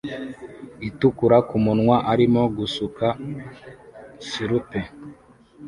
itukura kumunwa arimo gusuka sirupe